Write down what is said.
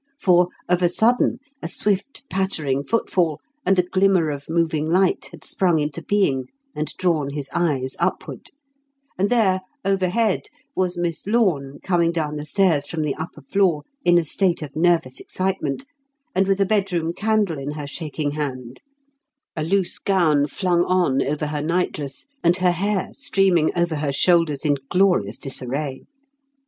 For, of a sudden, a swift pattering footfall and a glimmer of moving light had sprung into being and drawn his eyes upward; and there, overhead, was Miss Lorne coming down the stairs from the upper floor in a state of nervous excitement, and with a bedroom candle in her shaking hand, a loose gown flung on over her nightdress, and her hair streaming over her shoulders in glorious disarray.